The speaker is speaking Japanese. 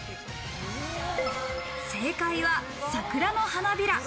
正解は桜の花びら。